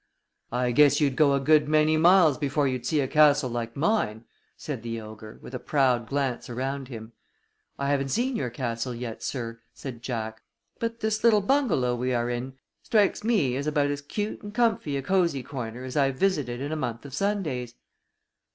"I guess you'd go a good many miles before you'd see a castle like mine," said the ogre, with a proud glance around him. "I haven't seen your castle yet, sir," said Jack. "But this little bungalow we are in strikes me as about as cute and comfy a cozy corner as I've visited in a month of Sundays."